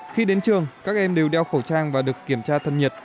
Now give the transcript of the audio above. khi đến trường các em đều đeo khẩu trang và được kiểm tra thân nhiệt